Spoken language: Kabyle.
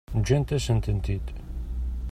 Ǧǧant-asent-tent-id.